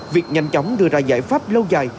việc nhanh chóng đưa ra giải pháp lâu dài